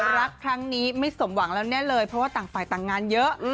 รักครั้งนี้ไม่สมหวังแล้วแน่เลยเพราะว่าต่างฝ่ายต่างงานเยอะ